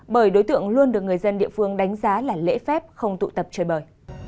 bởi đối tượng luôn được người dân địa phương đánh giá là lễ phép không tụ tập chơi bời